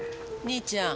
兄ちゃん。